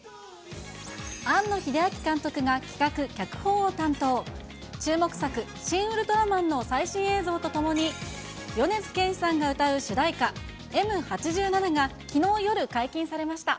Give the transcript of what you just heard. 庵野秀明監督が企画・脚本を担当、注目作、シン・ウルトラマンの最新映像とともに、米津玄師さんが歌う主題歌、Ｍ八七がきのう夜、解禁されました。